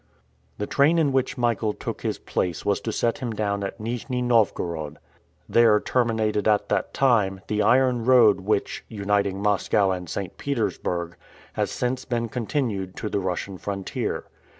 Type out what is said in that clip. The train in which Michael took his place was to set him down at Nijni Novgorod. There terminated at that time, the iron road which, uniting Moscow and St. Petersburg, has since been continued to the Russian frontier.